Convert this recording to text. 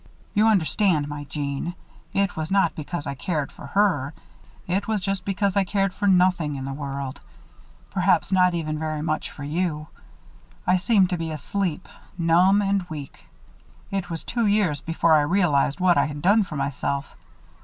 You understand, my Jeanne, it was not because I cared for her it was just because I cared for nothing in the whole world. Perhaps not even very much for you. I seemed to be asleep numb and weak. It was two years before I realized what I had done for myself.